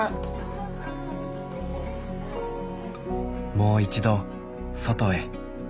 もう一度外へ。